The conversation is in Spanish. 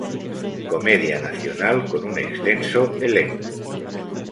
Comedia nacional con un extenso elenco.